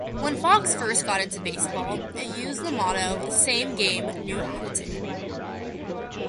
When Fox first got into baseball, it used the motto Same game, new attitude.